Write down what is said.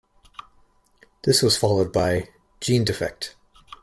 This was followed by "Genedefekt".